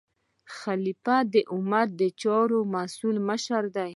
خلیفه د امت د چارو مسؤل مشر دی.